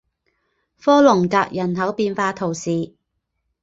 科隆格人口变化图示